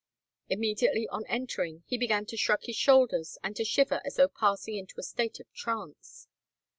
Immediately on entering, he began to shrug his shoulders, and to shiver as though passing into a state of trance.